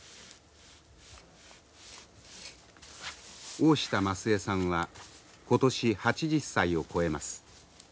大下増枝さんは今年８０歳を超えます。